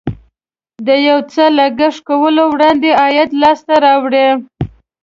د یو څه لګښت کولو وړاندې عاید لاسته راوړه.